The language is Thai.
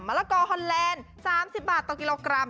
ละกอฮอนแลนด์๓๐บาทต่อกิโลกรัม